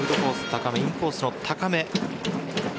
高めインコースの高め。